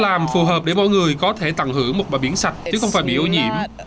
làm phù hợp để mọi người có thể tặng hưởng một bãi biển sạch chứ không phải bị ô nhiễm